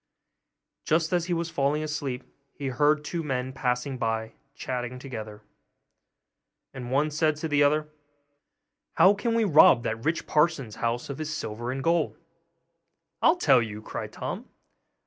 Just as he was falling asleep, he heard two men passing by, chatting together; and one said to the other, 'How can we rob that rich parson's house of his silver and gold?' 'I'll tell you!' cried Tom.